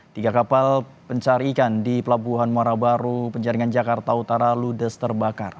tiga kapal pencari ikan di pelabuhan muara baru penjaringan jakarta utara ludes terbakar